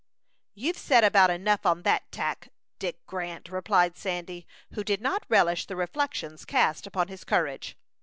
"You've said about enough on that tack, Dick Grant," replied Sandy, who did not relish the reflections cast upon his courage.